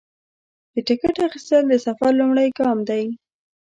د ټکټ اخیستل د سفر لومړی ګام دی.